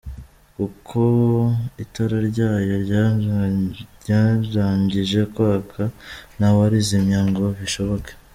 kuko itara ryayo ryarangije kwaka ntawarizimya ngo bishoboke!